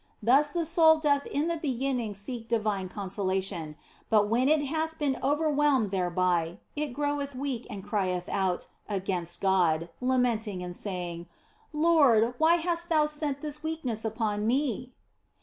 Thus the soul doth in the beginning seek divine consolation, but when it hath been overwhelmed thereby, it groweth weak and crieth out against God, lamenting and saying, " Lord, why hast Thou sent this weakness upon me